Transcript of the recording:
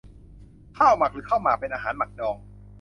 ข้าวหมัก หรือข้าวหมาก เป็นอาหารหมักดอง